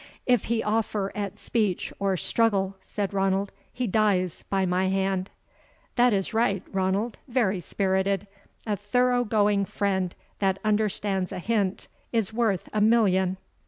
"If he offer at speech or struggle," said Ranald, "he dies by my hand." "That is right, Ranald very spirited: A thorough going friend that understands a hint is worth a million!"